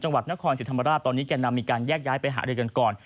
จังหวัดนครศิลประดาษตอนนี้แกะนำไปหายไปหาเรือนก่อน